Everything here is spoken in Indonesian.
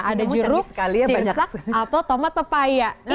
ada jeruk sirsak atau tomat pepaya